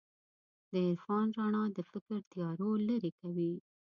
د عرفان رڼا د فکر تیارو لېرې کوي.